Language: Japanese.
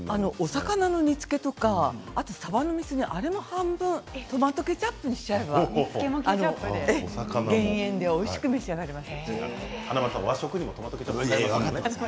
お魚の煮つけさばのみそ煮なんかでも半分トマトケチャップにしちゃえば減塩でおいしく召し上がれます。